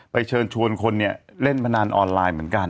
เชิญชวนคนเนี่ยเล่นพนันออนไลน์เหมือนกัน